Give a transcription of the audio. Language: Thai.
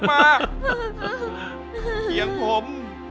เหยียงผม